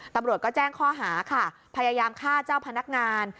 ตำรวจก็แจ้งข้อหาค่ะพยายามฆ่าเจ้าพนักงาน